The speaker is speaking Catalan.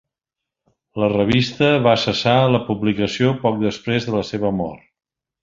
La revista va cessar la publicació poc després de la seva mort.